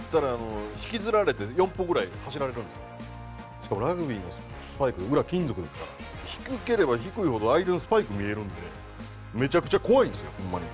しかも、ラグビーのスパイク裏、金属ですから低ければ低いほど相手のスパイク見えるんでめちゃくちゃ怖いんですよほんまに。